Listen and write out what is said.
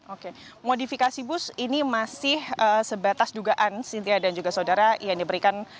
oke modifikasi bus ini masih sebatas dugaan cynthia dan juga saudara yang diberikan